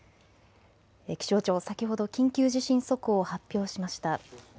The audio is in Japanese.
気象庁、先ほど緊急地震速報を発表しました。